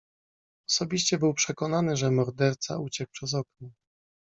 "Osobiście był przekonany, że morderca uciekł przez okno."